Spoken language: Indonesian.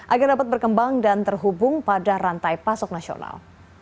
agar dapat berkembang dan terhubung pada rantai pasok nasional